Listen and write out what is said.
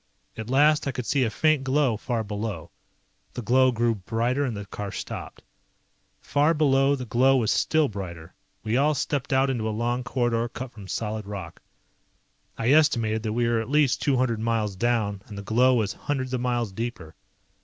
At last I could see a faint glow far below. The glow grew brighter and the car stopped. Far below the glow was still brighter. We all stepped out into a long corridor cut from solid rock. I estimated that we were at least two hundred miles down and the glow was hundreds of miles deeper.